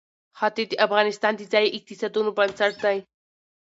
ښتې د افغانستان د ځایي اقتصادونو بنسټ دی.